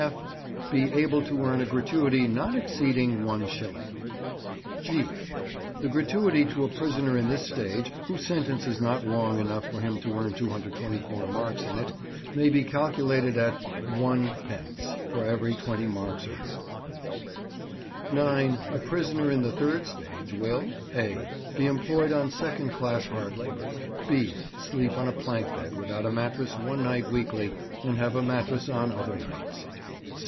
(f) Be able to earn a gratuity not exceeding 1s. (g) The gratuity to a prisoner in this stage, whose sentence is not long enough for him to earn 224 marks in it, may be calculated at 1d. for every 20 marks earned. 9. A prisoner in the third stage will— (a) Be employed on second class hard labour. (b) Sleep on a plank bed without a mattress one night weekly, and have a mattress on other nights.